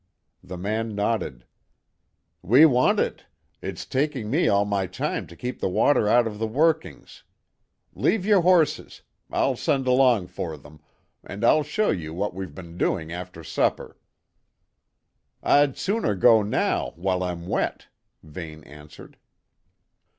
The man nodded. "We want it. It's taking me all my time to keep the water out of the workings. Leave your horses I'll send along for them and I'll show you what we've been doing after supper." "I'd sooner go now, while I'm wet," Vane answered.